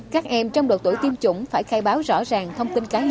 các em trong độ tuổi tiêm chủng phải khai báo rõ ràng